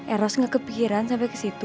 eros ngekepikiran sampai ke situ